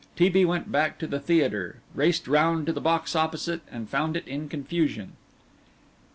T. B. went back to the theatre, raced round to the box opposite and found it in confusion.